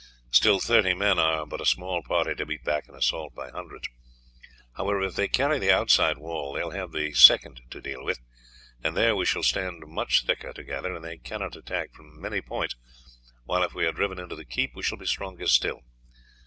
Still, thirty men are but a small party to beat back an assault by hundreds. However, if they carry the outside wall they will have the second to deal with, and there we shall stand much thicker together, and they cannot attack from many points, while if we are driven into the keep, we shall be stronger still.